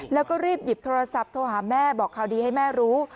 แล้วก็รีบหยิบโทรศัพท์โทรหาแม่บอกข่าวดีให้แม่รู้